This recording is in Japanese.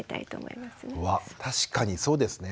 うわ確かにそうですね。